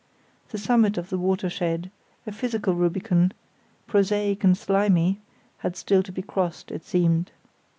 The summit of the watershed, a physical Rubicon, prosaic and slimy, had still to be crossed, it seemed.